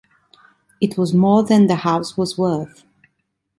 It was more than the house was worth.